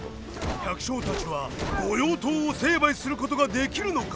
百姓たちは御用盗を成敗することができるのか？